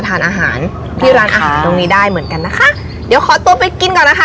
ทานอาหารที่ร้านอาหารตรงนี้ได้เหมือนกันนะคะเดี๋ยวขอตัวไปกินก่อนนะคะ